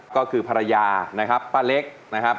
ก็คือภรรยานะครับป้าเล็กนะครับ